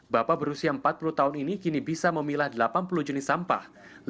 bapak berusia empat puluh tahun ini kini bisa memilah delapan puluh jenis sampah